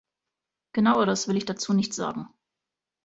Genaueres will ich dazu nicht sagen.